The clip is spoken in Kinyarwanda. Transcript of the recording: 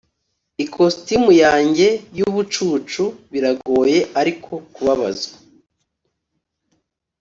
ikositimu yanjye yubucucu, biragoye ariko kubabazwa,